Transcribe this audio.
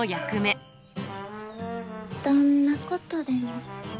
どんなことでも。